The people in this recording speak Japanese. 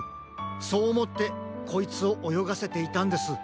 そうおもってこいつをおよがせていたんです。